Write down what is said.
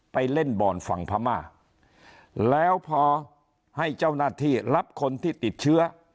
ไปเล่นบอลฝั่งพม่าแล้วพอให้เจ้าหน้าที่รับคนที่ติดเชื้อ